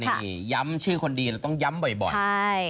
นี่ย้ำชื่อคนดีเราต้องย้ำบ่อย